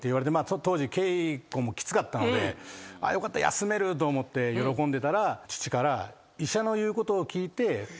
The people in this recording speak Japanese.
当時稽古もきつかったのでよかった休める！と思って喜んでたら父から。